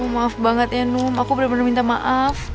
maaf banget ya num aku benar benar minta maaf